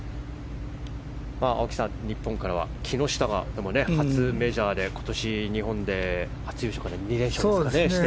青木さん、日本からは木下が初メジャーで今年、日本で初優勝から２連勝して。